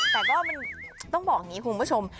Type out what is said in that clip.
แต่ก็มันต้องบอกอย่างนี้คุณผู้ชม